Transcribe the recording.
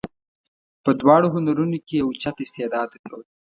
په دواړو هنرونو کې یې اوچت استعداد درلود.